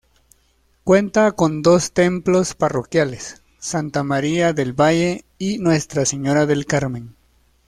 Cuenta con dos templos parroquiales; Santa Maria del Valle y Nuestra Señora del Carmen.